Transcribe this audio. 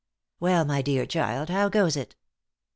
" Well, my dear child, how goes it